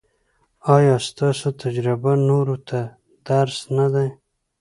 ایا ستاسو تجربه نورو ته درس نه دی؟